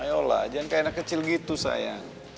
ayolah jangan kayak anak kecil gitu sayang